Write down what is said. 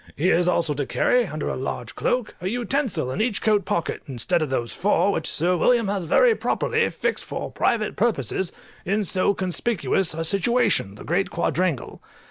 He is also to carry, under a large cloak, a utensil in each coat pocket, instead of those four which Sir William has very properly fixed for private purposes in so conspicuous a situation, the great quadrangle.